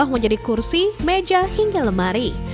menjadi kursi meja hingga lemari